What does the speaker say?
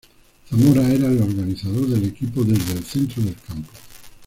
Zamora era el organizador del equipo desde el centro del campo.